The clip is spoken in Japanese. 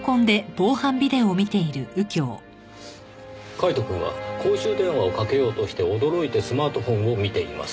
カイトくんは公衆電話をかけようとして驚いてスマートホンを見ています。